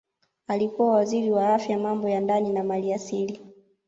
Alikuwa Waziri wa Afya Mambo ya Ndani na Maliasili